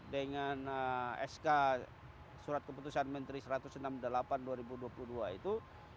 dengan sk surat keputusan menteri satu ratus enam puluh delapan dua ribu dua puluh dua itu